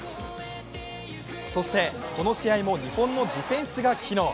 そして、この試合も日本のディフェンスが機能。